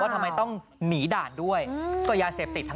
เมื่อเวลาเมื่อเวลาเมื่อเวลาเมื่อเวลา